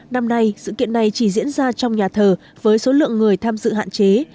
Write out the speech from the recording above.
năm nay sự kiện này chỉ diễn ra trong nhà thờ với số lượng người tham dự hạn chế